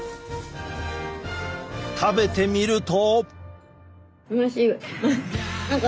食べてみると。